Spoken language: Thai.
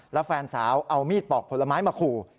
แล้วแฟนสาวเอามีดปอกผลไม้มาขู่